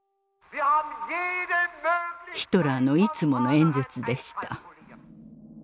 ヒトラーのいつもの演説でした。